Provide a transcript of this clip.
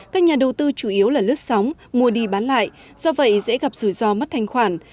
các nhà đầu tư chủ yếu là lướt sóng mua đi bán lại do vậy dễ gặp rủi ro mất thanh khoản